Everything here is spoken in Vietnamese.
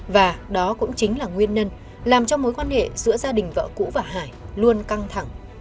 và đó cũng chính là nguyên nhân làm cho mối quan hệ giữa gia đình vợ cũ và hải luôn căng thẳng